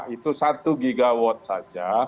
itu satu gigawatt saja